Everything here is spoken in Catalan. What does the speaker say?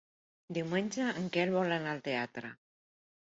Diumenge en Quel vol anar al teatre.